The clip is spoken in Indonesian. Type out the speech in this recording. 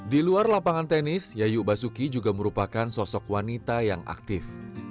di luar lapangan tenis yayu basuki juga merupakan sosok wanita yang aktif